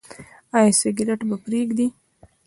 ایا سګرټ به پریږدئ؟